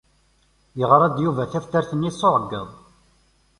Yeɣra-d Yuba taftart-nni s uɛeyyeḍ.